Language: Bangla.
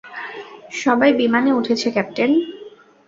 সবাই বিমানে উঠেছে, ক্যাপ্টেন।